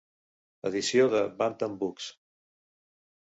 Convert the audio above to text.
Edició de Bantam Books.